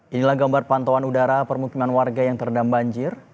inilah gambar pantauan udara permukiman warga yang terendam banjir